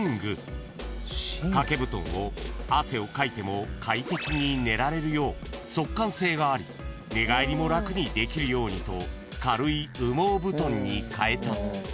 ［掛け布団を汗をかいても快適に寝られるよう速乾性があり寝返りも楽にできるようにと軽い羽毛布団にかえた］